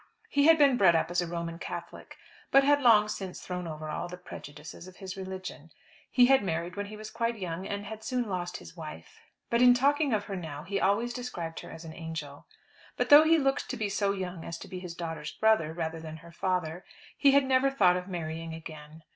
He had been bred up as a Roman Catholic, but had long since thrown over all the prejudices of his religion. He had married when he was quite young, and had soon lost his wife. But in talking of her now he always described her as an angel. But though he looked to be so young as to be his daughter's brother, rather than her father, he had never thought of marrying again.